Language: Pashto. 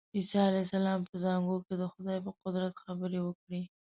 عیسی علیه السلام په زانګو کې د خدای په قدرت خبرې وکړې.